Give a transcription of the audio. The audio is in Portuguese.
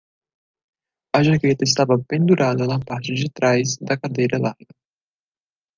A jaqueta estava pendurada na parte de trás da cadeira larga.